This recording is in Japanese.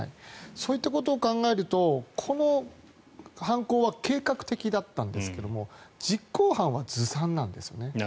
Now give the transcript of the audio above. そういったことを考えるとこの犯行は計画的だったんですが実行犯は、ずさんなんですよね。